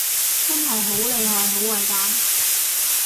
真係好厲害好偉大